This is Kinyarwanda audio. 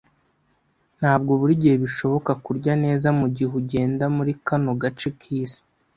Ntabwo buri gihe bishoboka kurya neza mugihe ugenda muri kano gace kisi